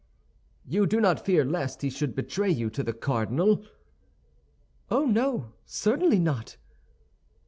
"You do not fear lest he should betray you to the cardinal?" "Oh, no, certainly not!"